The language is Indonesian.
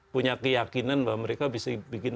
punya keyakinan bahwa mereka bisa bikin